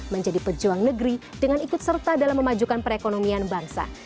menjadi pejuang negeri dengan ikut serta dalam memajukan perekonomian bangsa